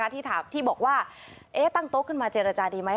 ที่บอกว่าตั้งโต๊ะขึ้นมาเจรจาดีไหม